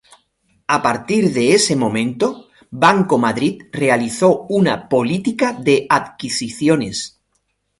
A partir de ese momento, Banco Madrid realizó una política de adquisiciones.